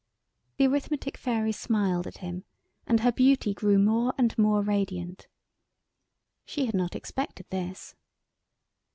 The Arithmetic Fairy smiled at him, and her beauty grew more and more radiant. She had not expected this.